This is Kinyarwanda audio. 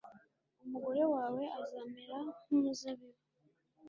Umugore wawe azamera nk’umuzabibu